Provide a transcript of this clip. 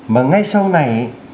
mà ngay sau này